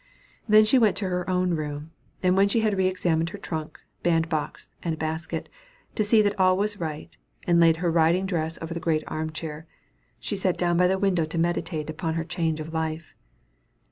Then she went to her own room; and when she had re examined her trunk, bandbox, and basket, to see that all was right, and laid her riding dress over the great armchair, she sat down by the window to meditate upon her change of life.